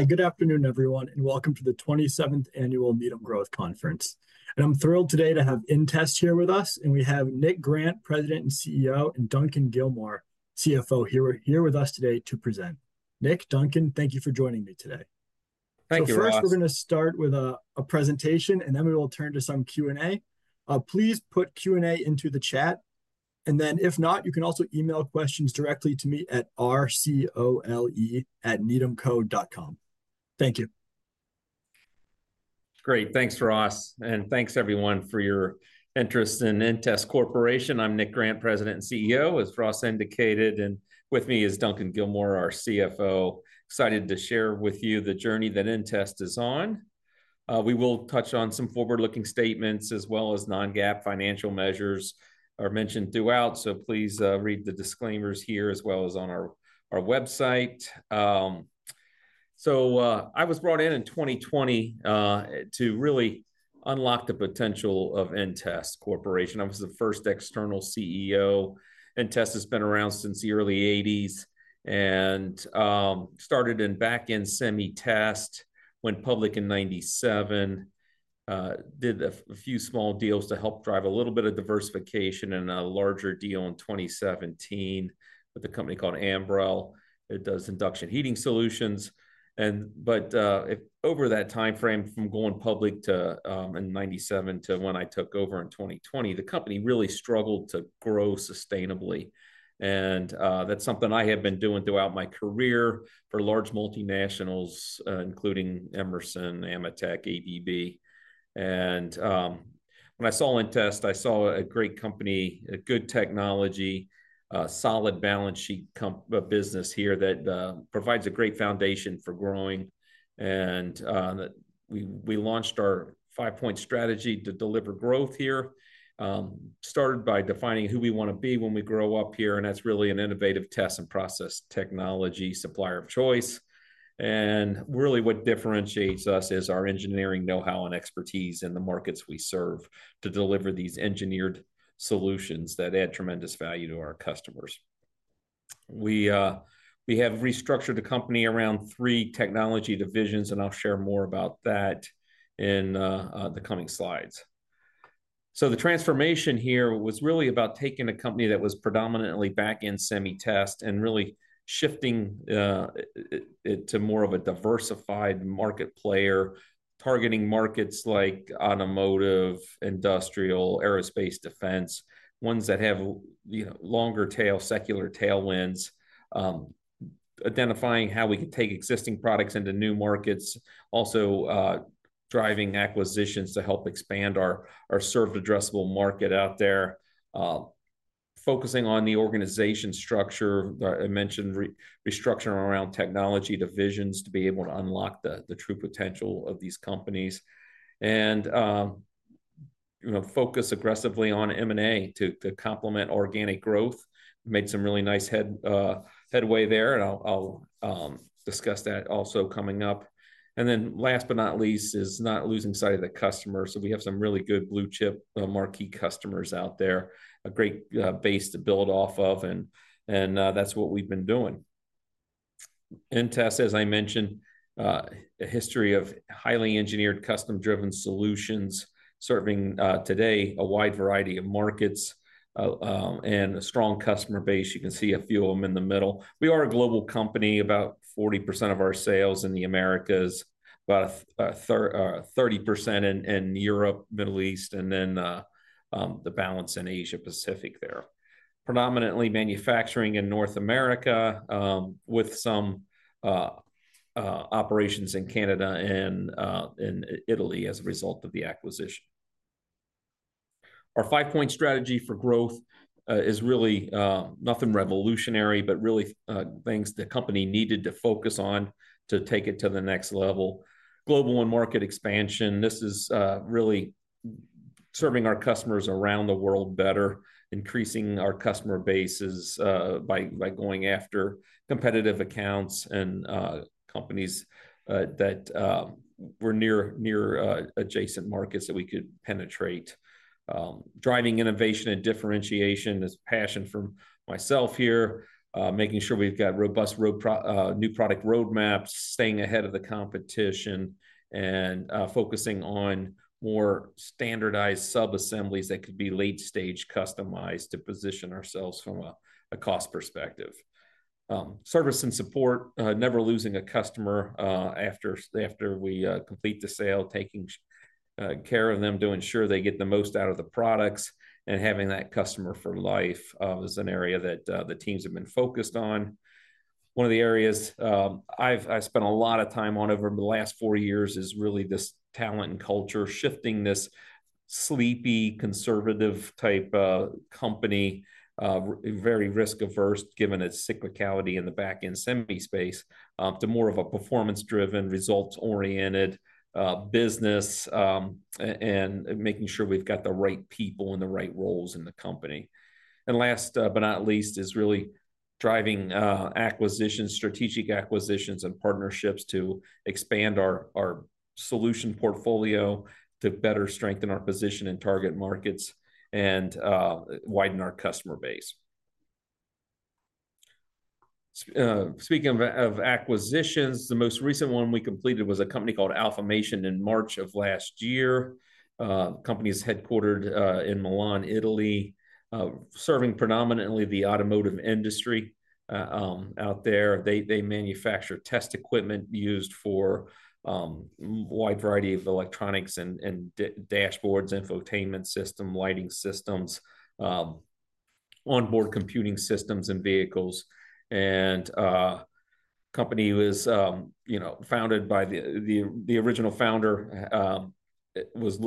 Hi, good afternoon, everyone, and welcome to the 27th Annual Needham Growth Conference, and I'm thrilled today to have inTEST here with us, and we have Nick Grant, President and CEO, and Duncan Gilmour, CFO, here with us today to present. Nick, Duncan, thank you for joining me today. Thank you, Ross. First, we're going to start with a presentation, and then we will turn to some Q&A. Please put Q&A into the chat, and then if not, you can also email questions directly to me at rcole@needhamco.com. Thank you. Great, thanks, Ross, and thanks, everyone, for your interest in inTEST Corporation. I'm Nick Grant, President and CEO, as Ross indicated, and with me is Duncan Gilmour, our CFO. Excited to share with you the journey that inTEST is on. We will touch on some forward-looking statements as well as non-GAAP financial measures that are mentioned throughout, so please read the disclaimers here as well as on our website. So I was brought in in 2020 to really unlock the potential of inTEST Corporation. I was the first external CEO. inTEST has been around since the early 1980s and started in back-end semi-test went public in 1997. Did a few small deals to help drive a little bit of diversification and a larger deal in 2017 with a company called Ambrell. It does induction heating solutions. Over that timeframe from going public in 1997 to when I took over in 2020, the company really struggled to grow sustainably. And that's something I have been doing throughout my career for large multinationals, including Emerson, AMETEK, ABB. And when I saw inTEST, I saw a great company, good technology, solid balance sheet business here that provides a great foundation for growing. And we launched our five-point strategy to deliver growth here, started by defining who we want to be when we grow up here, and that's really an innovative test and process technology supplier of choice. And really what differentiates us is our engineering know-how and expertise in the markets we serve to deliver these engineered solutions that add tremendous value to our customers. We have restructured the company around three technology divisions, and I'll share more about that in the coming slides. So the transformation here was really about taking a company that was predominantly back-end semi-test and really shifting it to more of a diversified market player, targeting markets like automotive, industrial, aerospace, defense, ones that have longer tail, secular tailwinds, identifying how we can take existing products into new markets, also driving acquisitions to help expand our served addressable market out there, focusing on the organization structure that I mentioned, restructuring around technology divisions to be able to unlock the true potential of these companies, and focus aggressively on M&A to complement organic growth. Made some really nice headway there, and I'll discuss that also coming up. And then last but not least is not losing sight of the customers. So we have some really good blue chip marquee customers out there, a great base to build off of, and that's what we've been doing. inTEST, as I mentioned, a history of highly engineered, custom-driven solutions serving today a wide variety of markets and a strong customer base. You can see a few of them in the middle. We are a global company. About 40% of our sales in the Americas, about 30% in Europe, Middle East, and then the balance in Asia-Pacific there. Predominantly manufacturing in North America with some operations in Canada and in Italy as a result of the acquisition. Our five-point strategy for growth is really nothing revolutionary, but really things the company needed to focus on to take it to the next level. Global and market expansion. This is really serving our customers around the world better, increasing our customer bases by going after competitive accounts and companies that were near adjacent markets that we could penetrate. Driving innovation and differentiation is passion for myself here, making sure we've got robust new product roadmaps, staying ahead of the competition, and focusing on more standardized sub-assemblies that could be late-stage customized to position ourselves from a cost perspective. Service and support, never losing a customer after we complete the sale, taking care of them to ensure they get the most out of the products and having that customer for life is an area that the teams have been focused on. One of the areas I've spent a lot of time on over the last four years is really this talent and culture, shifting this sleepy, conservative type company, very risk-averse given its cyclicality in the back-end semi space to more of a performance-driven, results-oriented business and making sure we've got the right people in the right roles in the company. Last but not least is really driving acquisitions, strategic acquisitions and partnerships to expand our solution portfolio to better strengthen our position in target markets and widen our customer base. Speaking of acquisitions, the most recent one we completed was a company called Alfamation in March of last year. The company is headquartered in Milan, Italy, serving predominantly the automotive industry out there. They manufacture test equipment used for a wide variety of electronics and dashboards, infotainment system, lighting systems, onboard computing systems in vehicles. The company was founded by the original founder, was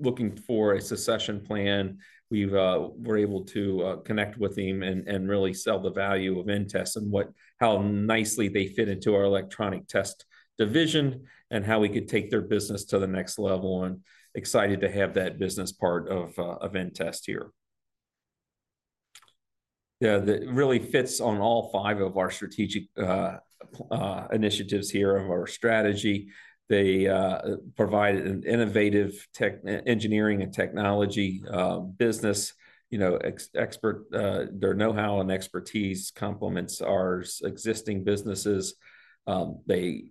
looking for a succession plan. We were able to connect with him and really sell the value of inTEST and how nicely they fit into our Electronic Test division and how we could take their business to the next level. Excited to have that business part of inTEST here. Yeah, it really fits on all five of our strategic initiatives here of our strategy. They provide an innovative engineering and technology business. Their know-how and expertise complements our existing businesses. They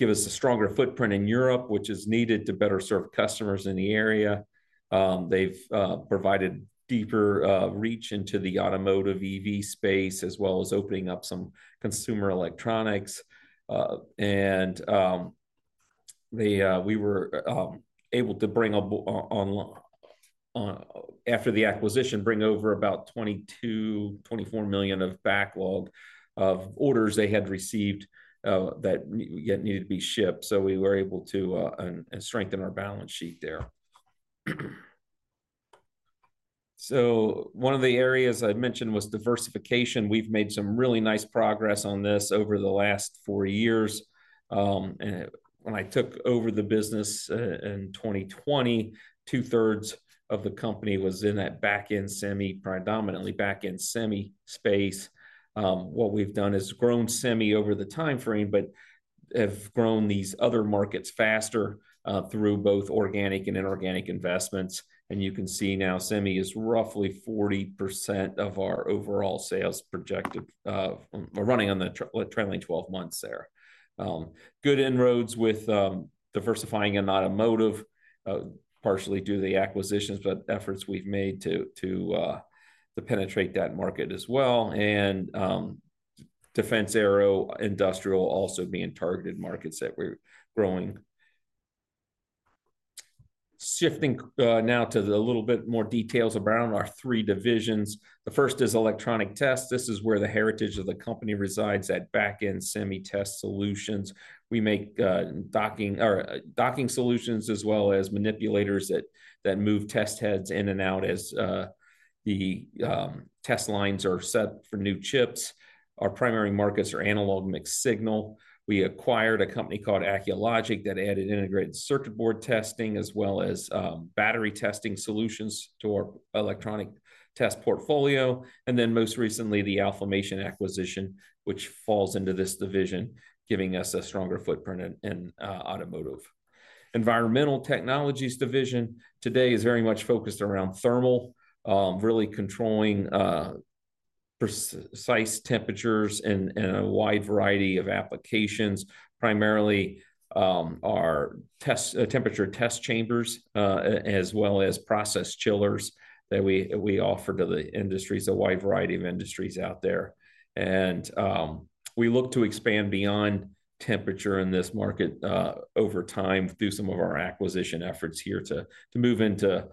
give us a stronger footprint in Europe, which is needed to better serve customers in the area. They've provided deeper reach into the automotive EV space as well as opening up some consumer electronics, and we were able to, after the acquisition, bring over about $22 million-$24 million of backlog of orders they had received that yet needed to be shipped, so we were able to strengthen our balance sheet there, so one of the areas I mentioned was diversification. We've made some really nice progress on this over the last four years. When I took over the business in 2020, two-thirds of the company was in that back-end semi, predominantly back-end semi space. What we've done is grown semi over the timeframe, but have grown these other markets faster through both organic and inorganic investments, and you can see now semi is roughly 40% of our overall sales projected running on the trailing 12 months there. Good inroads with diversifying in automotive, partially due to the acquisitions, but efforts we've made to penetrate that market as well, and defense aero industrial also being targeted markets that we're growing. Shifting now to a little bit more details around our three divisions. The first is Electronic Test. This is where the heritage of the company resides at back-end semi test solutions. We make docking solutions as well as manipulators that move test heads in and out as the test lines are set for new chips. Our primary markets are analog mixed-signal. We acquired a company called Acculogic that added integrated circuit board testing as well as battery testing solutions to our Electronic Test portfolio. And then most recently, the Alfamation acquisition, which falls into this division, giving us a stronger footprint in automotive. Environmental Technologies division today is very much focused around thermal, really controlling precise temperatures in a wide variety of applications, primarily our temperature test chambers as well as process chillers that we offer to the industries, a wide variety of industries out there. And we look to expand beyond temperature in this market over time through some of our acquisition efforts here to move into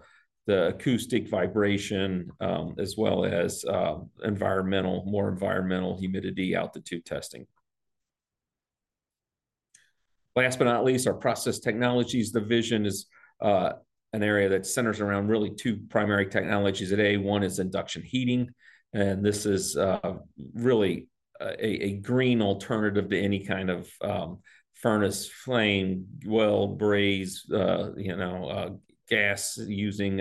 the acoustic vibration as well as more environmental humidity altitude testing. Last but not least, our Process Technologies division is an area that centers around really two primary technologies today. One is induction heating, and this is really a green alternative to any kind of furnace, flame, welding, brazing, gas-using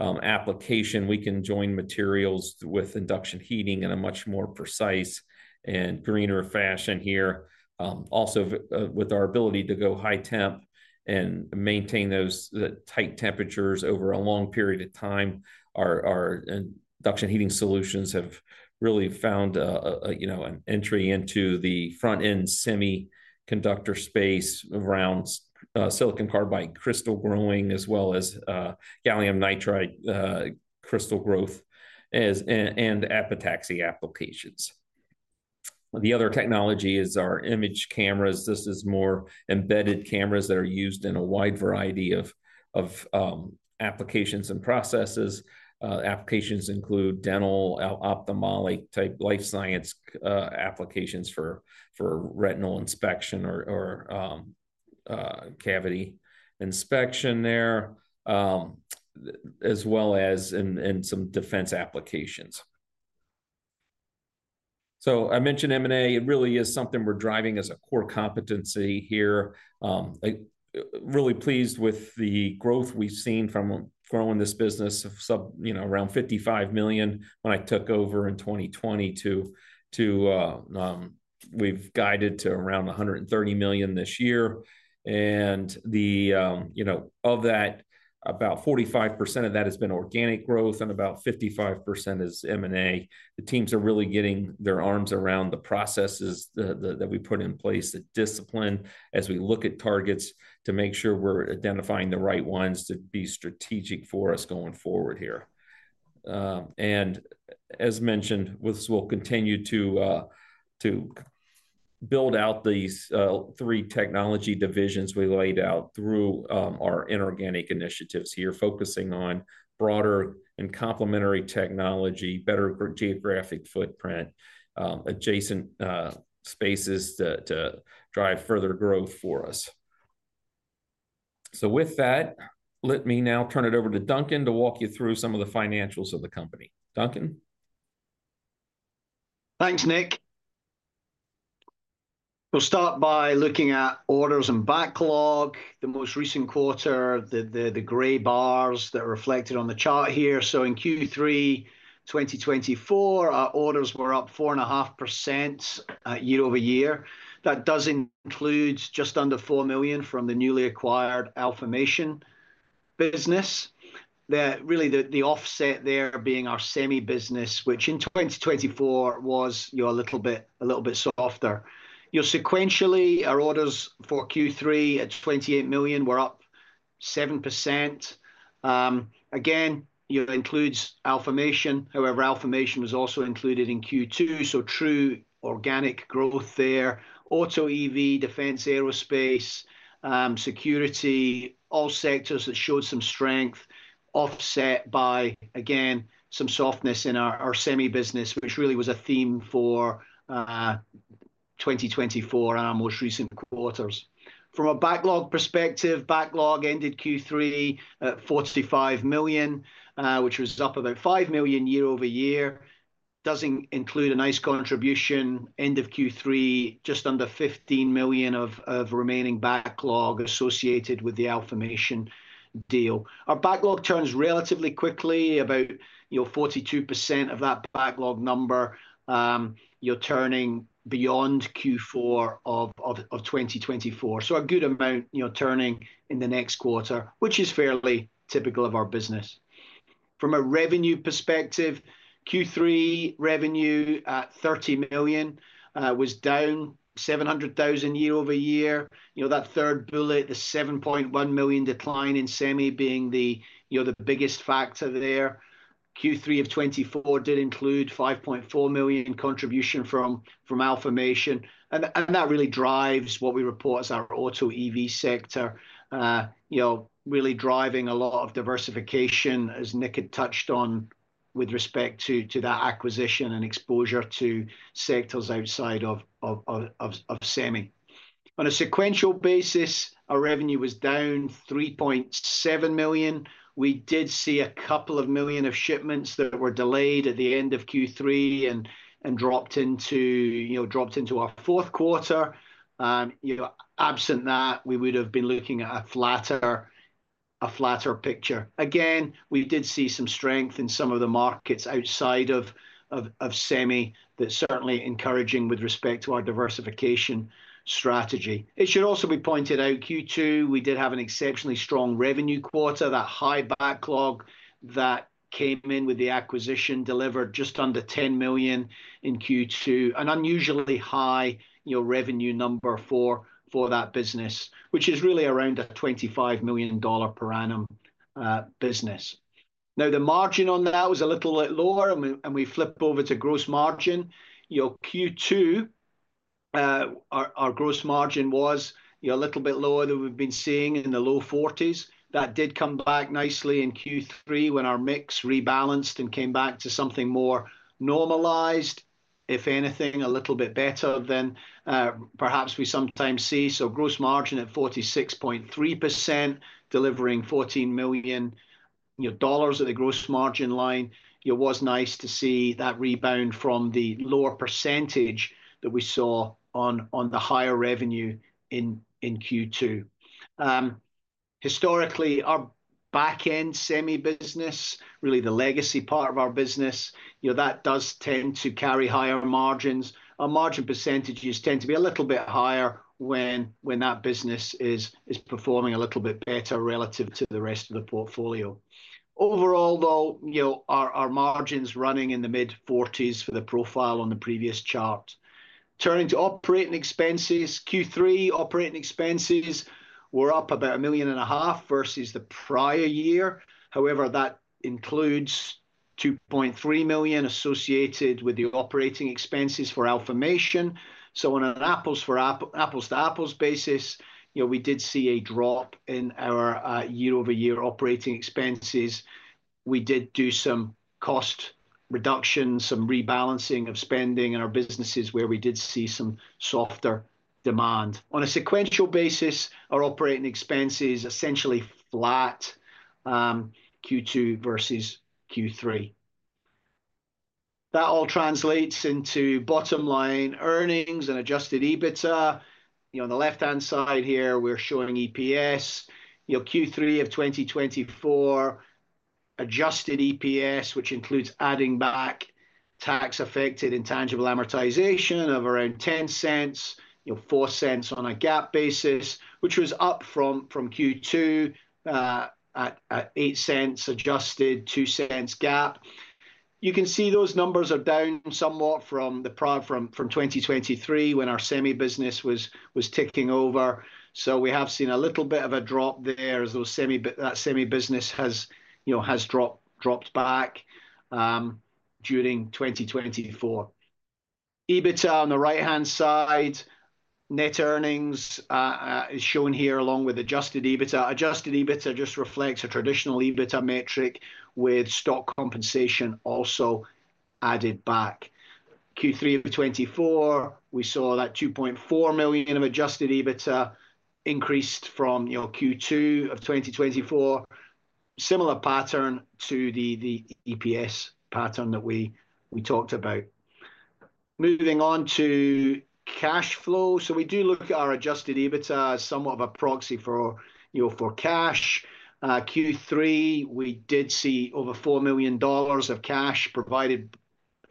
application. We can join materials with induction heating in a much more precise and greener fashion here. Also, with our ability to go high temp and maintain those tight temperatures over a long period of time, our induction heating solutions have really found an entry into the front-end semiconductor space around silicon carbide crystal growing as well as gallium nitride crystal growth and epitaxy applications. The other technology is our imaging cameras. This is more embedded cameras that are used in a wide variety of applications and processes. Applications include dental, ophthalmology-type life science applications for retinal inspection or cavity inspection there, as well as in some defense applications. So I mentioned M&A. It really is something we're driving as a core competency here. Really pleased with the growth we've seen from growing this business of around $55 million when I took over in 2020 to we've guided to around $130 million this year, and of that, about 45% of that has been organic growth and about 55% is M&A. The teams are really getting their arms around the processes that we put in place, the discipline as we look at targets to make sure we're identifying the right ones to be strategic for us going forward here, and as mentioned, this will continue to build out these three technology divisions we laid out through our inorganic initiatives here, focusing on broader and complementary technology, better geographic footprint, adjacent spaces to drive further growth for us, so with that, let me now turn it over to Duncan to walk you through some of the financials of the company. Duncan. Thanks, Nick. We'll start by looking at orders and backlog, the most recent quarter, the gray bars that are reflected on the chart here, so in Q3 2024, our orders were up 4.5% year over year. That does include just under $4 million from the newly acquired Alfamation business. Really, the offset there being our semi business, which in 2024 was a little bit softer. Sequentially, our orders for Q3 at $28 million were up 7%. Again, it includes Alfamation. However, Alfamation was also included in Q2, so true organic growth there. Auto EV, defense aerospace, security, all sectors that showed some strength offset by, again, some softness in our semi business, which really was a theme for 2024 and our most recent quarters. From a backlog perspective, backlog ended Q3 at $45 million, which was up about $5 million year over year. Doesn't include a nice contribution. End of Q3, just under $15 million of remaining backlog associated with the Alfamation deal. Our backlog turns relatively quickly, about 42% of that backlog number turning beyond Q4 of 2024. So a good amount turning in the next quarter, which is fairly typical of our business. From a revenue perspective, Q3 revenue at $30 million was down $700,000 year over year. That third bullet, the $7.1 million decline in semi being the biggest factor there. Q3 of 2024 did include $5.4 million contribution from Alfamation. And that really drives what we report as our auto EV sector, really driving a lot of diversification, as Nick had touched on with respect to that acquisition and exposure to sectors outside of semi. On a sequential basis, our revenue was down $3.7 million. We did see a couple of million of shipments that were delayed at the end of Q3 and dropped into our fourth quarter. Absent that, we would have been looking at a flatter picture. Again, we did see some strength in some of the markets outside of semi that's certainly encouraging with respect to our diversification strategy. It should also be pointed out, Q2, we did have an exceptionally strong revenue quarter, that high backlog that came in with the acquisition delivered just under $10 million in Q2, an unusually high revenue number for that business, which is really around a $25 million per annum business. Now, the margin on that was a little bit lower, and we flip over to gross margin. Q2, our gross margin was a little bit lower than we've been seeing in the low 40s%. That did come back nicely in Q3 when our mix rebalanced and came back to something more normalized, if anything, a little bit better than perhaps we sometimes see. So gross margin at 46.3%, delivering $14 million at the gross margin line. It was nice to see that rebound from the lower percentage that we saw on the higher revenue in Q2. Historically, our back-end semi business, really the legacy part of our business, that does tend to carry higher margins. Our margin percentages tend to be a little bit higher when that business is performing a little bit better relative to the rest of the portfolio. Overall, though, our margins running in the mid-40s for the profile on the previous chart. Turning to operating expenses, Q3 operating expenses were up about $1.5 million versus the prior year. However, that includes $2.3 million associated with the operating expenses for Alfamation. So on an apples-to-apples basis, we did see a drop in our year-over-year operating expenses. We did do some cost reduction, some rebalancing of spending in our businesses where we did see some softer demand. On a sequential basis, our operating expenses essentially flat Q2 versus Q3. That all translates into bottom line earnings and Adjusted EBITDA. On the left-hand side here, we're showing EPS. Q3 of 2024, adjusted EPS, which includes adding back tax-affected intangible amortization of around $0.10, $0.04 on a GAAP basis, which was up from Q2 at $0.08 adjusted, $0.02 GAAP. You can see those numbers are down somewhat from 2023 when our semi business was ticking over. So we have seen a little bit of a drop there as that semi business has dropped back during 2024. EBITDA on the right-hand side, net earnings is shown here along with adjusted EBITDA. Adjusted EBITDA just reflects a traditional EBITDA metric with stock compensation also added back. Q3 of 2024, we saw that $2.4 million of adjusted EBITDA increased from Q2 of 2024, similar pattern to the EPS pattern that we talked about. Moving on to cash flow. So we do look at our adjusted EBITDA as somewhat of a proxy for cash. Q3, we did see over $4 million of cash provided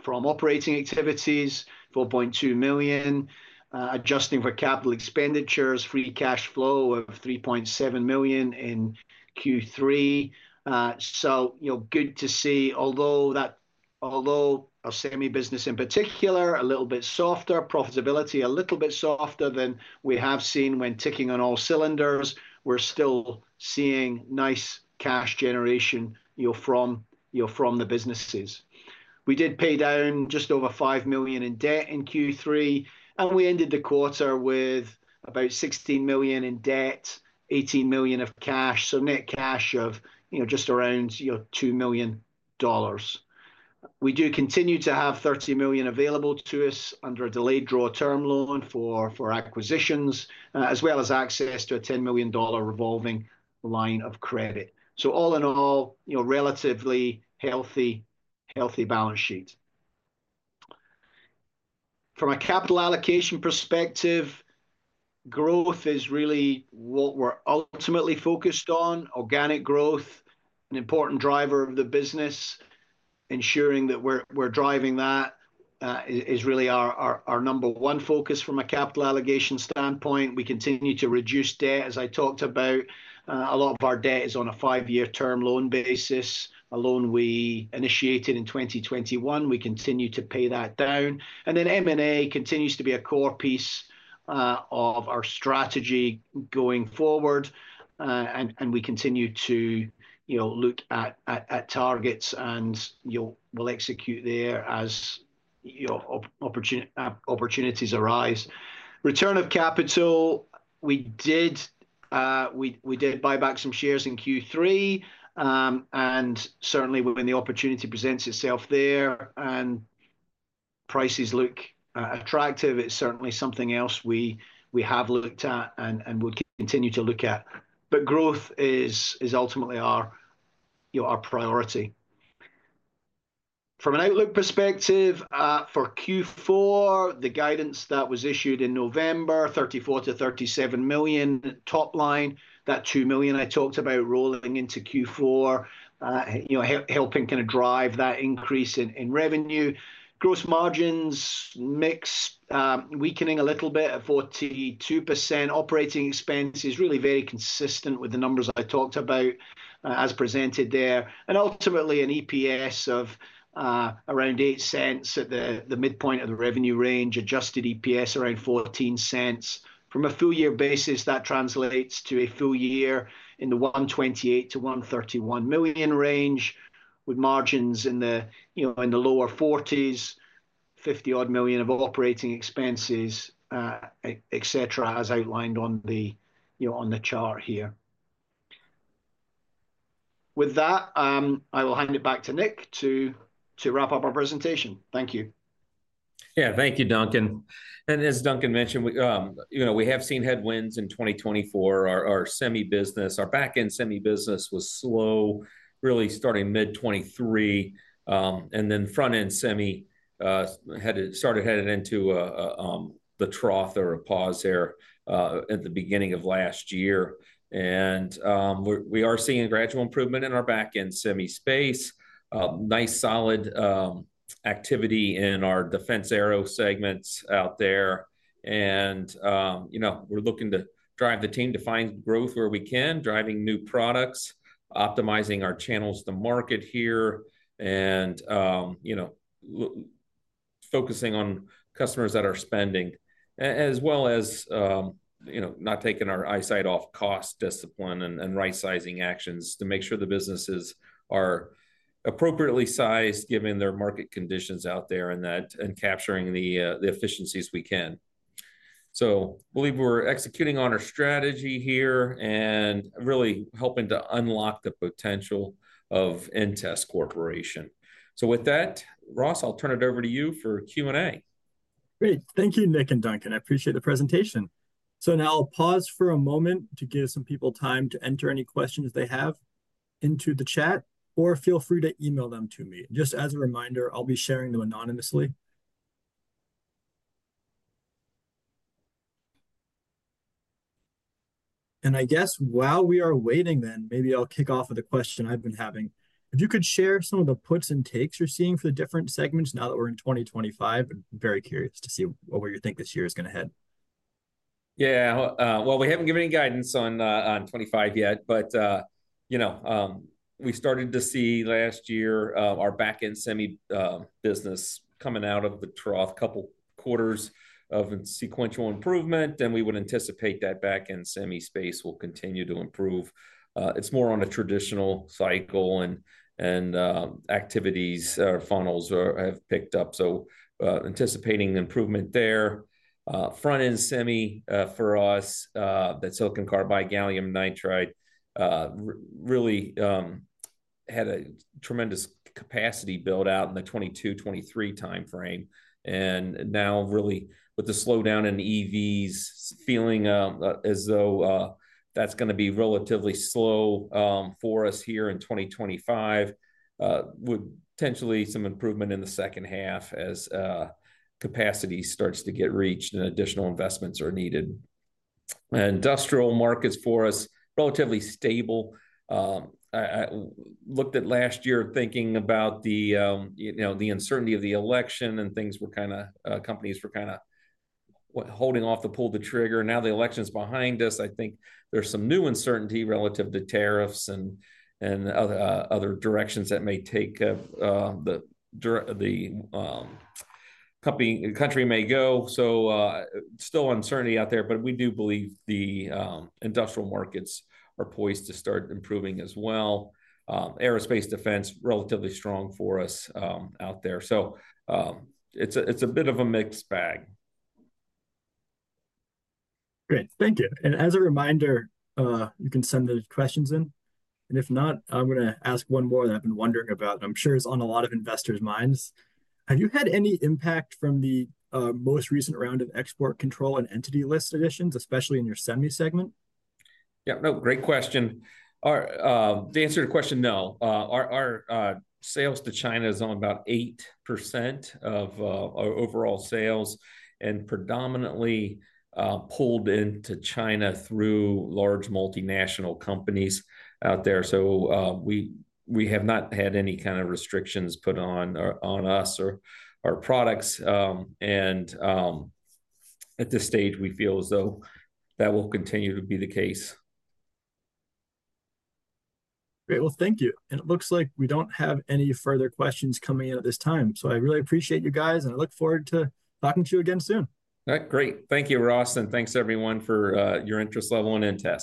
from operating activities, $4.2 million. Adjusting for capital expenditures, free cash flow of $3.7 million in Q3. So good to see. Although our semi business in particular, a little bit softer, profitability a little bit softer than we have seen when ticking on all cylinders, we're still seeing nice cash generation from the businesses. We did pay down just over $5 million in debt in Q3, and we ended the quarter with about $16 million in debt, $18 million of cash, so net cash of just around $2 million. We do continue to have $30 million available to us under a delayed draw term loan for acquisitions, as well as access to a $10 million revolving line of credit, so all in all, relatively healthy balance sheet. From a capital allocation perspective, growth is really what we're ultimately focused on. Organic growth, an important driver of the business, ensuring that we're driving that is really our number one focus from a capital allocation standpoint. We continue to reduce debt, as I talked about. A lot of our debt is on a five-year term loan basis, a loan we initiated in 2021. We continue to pay that down. And then M&A continues to be a core piece of our strategy going forward. And we continue to look at targets and will execute there as opportunities arise. Return of capital, we did buy back some shares in Q3. And certainly, when the opportunity presents itself there and prices look attractive, it's certainly something else we have looked at and would continue to look at. But growth is ultimately our priority. From an outlook perspective for Q4, the guidance that was issued in November, $34 million-$37 million top line, that $2 million I talked about rolling into Q4, helping kind of drive that increase in revenue. Gross margins mix weakening a little bit at 42%. Operating expenses really very consistent with the numbers I talked about as presented there. And ultimately, an EPS of around $0.08 at the midpoint of the revenue range, adjusted EPS around $0.14. From a full-year basis, that translates to a full year in the $128 million-$131 million range, with margins in the lower 40s%, $50-odd million of operating expenses, etc., as outlined on the chart here. With that, I will hand it back to Nick to wrap up our presentation. Thank you. Yeah, thank you, Duncan. And as Duncan mentioned, we have seen headwinds in 2024. Our back-end semi business was slow, really starting mid-2023. And then front-end semi started heading into the trough or a pause there at the beginning of last year. And we are seeing a gradual improvement in our back-end semi space, nice solid activity in our defense aero segments out there. We're looking to drive the team to find growth where we can, driving new products, optimizing our channels to market here, and focusing on customers that are spending, as well as not taking our eyesight off cost discipline and right-sizing actions to make sure the businesses are appropriately sized given their market conditions out there and capturing the efficiencies we can. I believe we're executing on our strategy here and really helping to unlock the potential of inTEST Corporation. With that, Ross, I'll turn it over to you for Q&A. Great. Thank you, Nick and Duncan. I appreciate the presentation. Now I'll pause for a moment to give some people time to enter any questions they have into the chat, or feel free to email them to me. Just as a reminder, I'll be sharing them anonymously. I guess while we are waiting then, maybe I'll kick off with a question I've been having. If you could share some of the puts and takes you're seeing for the different segments now that we're in 2025, I'm very curious to see where you think this year is going to head. Yeah. We haven't given any guidance on 2025 yet, but we started to see last year our back-end semi business coming out of the trough, a couple quarters of sequential improvement, and we would anticipate that back-end semi space will continue to improve. It's more on a traditional cycle and activities or funnels have picked up. Anticipating improvement there. Front-end semi for us, that silicon carbide gallium nitride really had a tremendous capacity build-out in the 2022, 2023 timeframe. And now really with the slowdown in EVs, feeling as though that's going to be relatively slow for us here in 2025, with potentially some improvement in the second half as capacity starts to get reached and additional investments are needed. Industrial markets for us, relatively stable. Looked at last year thinking about the uncertainty of the election and things were kind of companies were kind of holding off to pull the trigger. Now the election's behind us. I think there's some new uncertainty relative to tariffs and other directions that may take the country may go. So still uncertainty out there, but we do believe the industrial markets are poised to start improving as well. Aerospace defense, relatively strong for us out there. So it's a bit of a mixed bag. Great. Thank you. And as a reminder, you can send the questions in. And if not, I'm going to ask one more that I've been wondering about. I'm sure it's on a lot of investors' minds. Have you had any impact from the most recent round of export control and entity list additions, especially in your semi segment? Yeah. No, great question. The answer to question, no. Our sales to China is on about 8% of our overall sales and predominantly pulled into China through large multinational companies out there. So we have not had any kind of restrictions put on us or our products. And at this stage, we feel as though that will continue to be the case. Great. Well, thank you. And it looks like we don't have any further questions coming in at this time. So I really appreciate you guys, and I look forward to talking to you again soon. All right. Great. Thank you, Ross. Thanks, everyone, for your interest level in inTEST.